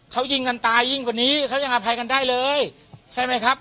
เขายิงกันตายยิ่งกว่านี้เขายังอภัยกันได้เลยใช่ไหมครับ